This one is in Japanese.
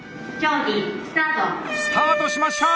スタートしました！